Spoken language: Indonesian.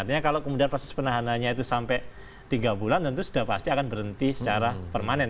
artinya kalau kemudian proses penahanannya itu sampai tiga bulan tentu sudah pasti akan berhenti secara permanen